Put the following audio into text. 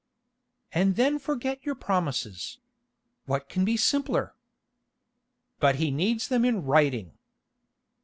"And then forget your promises. What can be simpler?" "But he needs them in writing."